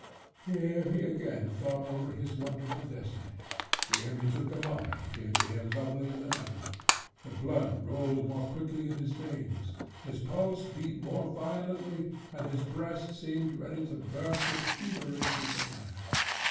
Here he again thought over his wonderful destiny; the image of Gamaheh appeared to him lovelier than ever; the blood rolled more quickly in his veins, his pulse beat more violently, and his breast seemed ready to burst with feverish desire.